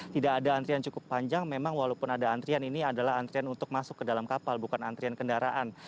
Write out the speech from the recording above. tidak ada antrian cukup panjang memang walaupun ada antrian ini adalah antrian untuk masuk ke dalam kapal bukan antrian kendaraan